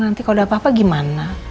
nanti kalau ada papa gimana